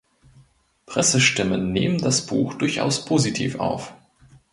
Pressestimmen nehmen das Buch durchaus positiv auf.